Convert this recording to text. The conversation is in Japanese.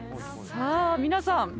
さあ皆さん